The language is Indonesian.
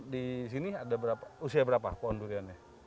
di sini ada berapa usia berapa pohon duriannya